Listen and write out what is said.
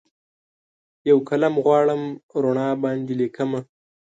یوقلم غواړم روڼا باندې لیکمه